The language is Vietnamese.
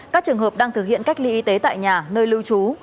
các trường hợp đang thực hiện cách ly y tế tại nhà nơi lưu trú